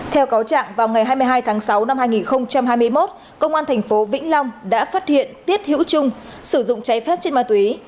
theo cáo trạng vào ngày hai mươi hai tháng sáu năm hai nghìn hai mươi một công an thành phố vĩnh long đã phát hiện tiết hữu trung sử dụng cháy phép trên ma túy